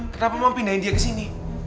kenapa mam pindahin dia kesini